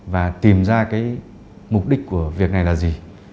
và tìm ra cái mục đích của việc này là gì